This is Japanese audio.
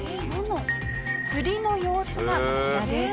釣りの様子がこちらです。